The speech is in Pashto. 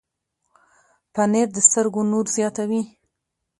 پنېر د سترګو نور زیاتوي.